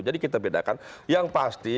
jadi kita bedakan yang pasti